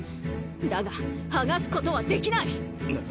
だが剥がすことはできない！な？